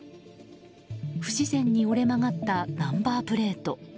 不自然に折れ曲がったナンバープレート。